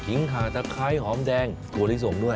หางตะไคร้หอมแดงถั่วลิสงด้วย